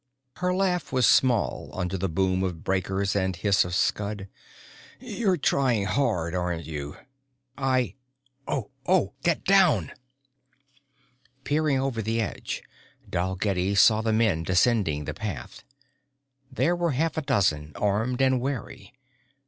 Her laugh was small under the boom of breakers and hiss of scud. "You're trying hard, aren't you?" "I oh, oh! Get down!" Peering over the edge Dalgetty saw the men descending the path. There were half a dozen, armed and wary.